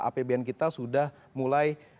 apbn kita sudah mulai